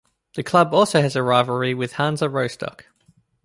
The club also has a rivalry with Hansa Rostock.